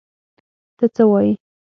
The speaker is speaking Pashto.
ته څه وایې!؟